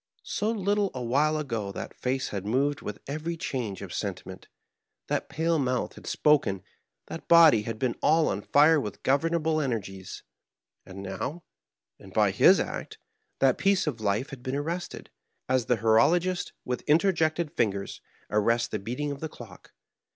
So little a while ago that face had moved with every change of sentiment, that pale mouth had spoken, that body had been all on fire with governable energies ; and now, and by his act, that piece of life had been arrested, as the horologist, with interjected finger, arrests the beating of the clock.